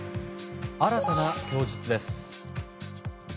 新たな供述です。